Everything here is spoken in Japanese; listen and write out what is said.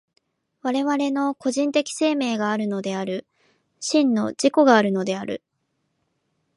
我々の個人的生命があるのである、真の自己があるのである。